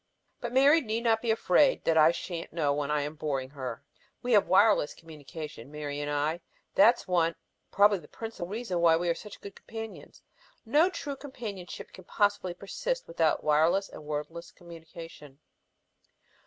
But Mary need not be afraid that I sha'n't know when I am boring her. We have wireless communication, Mary and I. That's one, probably the principal, reason why we are such good companions. No true companionship can possibly persist without wireless and wordless communication.